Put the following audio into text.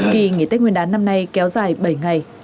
kỳ nghỉ tết nguyên đán năm nay kéo dài bảy ngày